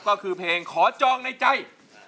ก็คือเพลงขอจองในใจ